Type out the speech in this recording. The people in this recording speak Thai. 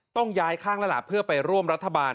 ต้องย้ายข้างแล้วล่ะเพื่อไปร่วมรัฐบาล